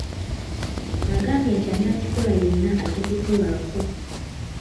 Agambye nti anaakikola yenna ajja kukolwako.